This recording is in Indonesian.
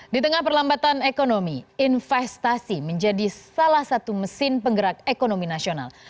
di tengah perlambatan ekonomi investasi menjadi salah satu mesin penggerak ekonomi nasional